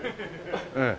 ええ。